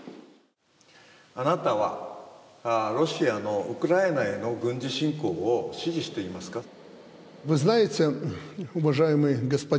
あなたはロシアのウクライナへの軍事侵攻を支持していますか。